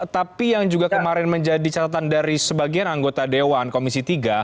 tapi yang juga kemarin menjadi catatan dari sebagian anggota dewan komisi tiga